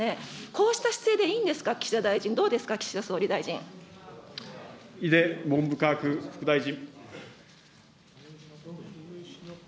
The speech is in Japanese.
こうした姿勢でいいんですか、岸田大臣、どうですか、岸田総理大井出文部科学副大臣。